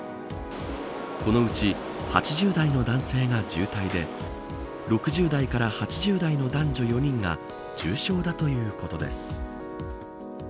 このうち８０代の男性が重体で６０代から８０代の男女４人が重症だということです。